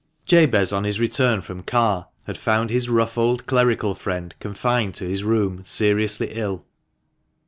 Jabez, on his return from Carr, had found his rough old clerical friend confined to his room seriously ill.